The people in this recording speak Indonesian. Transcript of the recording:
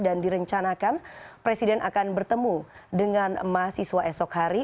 dan direncanakan presiden akan bertemu dengan mahasiswa esok hari